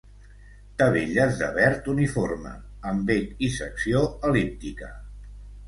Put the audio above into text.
Tavelles de verd uniforme, amb bec i secció el·líptica.